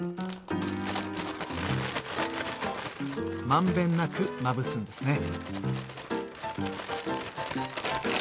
まんべんなくまぶすんですね。